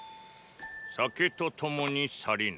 酒と共に去りぬ。